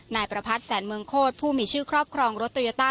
นายประพัทธแสนเมืองโคตรผู้มีชื่อครอบครองรถโตโยต้า